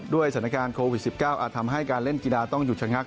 สถานการณ์โควิด๑๙อาจทำให้การเล่นกีฬาต้องหยุดชะงัก